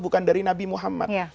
bukan dari nabi muhammad